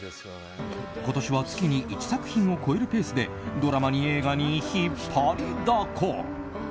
今年は月に１作品を超えるペースでドラマに映画に引っ張りだこ。